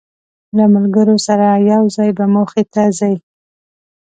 له ملګرو سره یو ځای به موخې ته ځی.